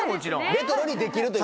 レトロにできるという。